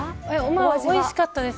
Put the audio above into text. おいしかったですよ。